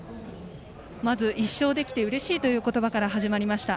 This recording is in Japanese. まず１勝できてうれしいという言葉から始まりました。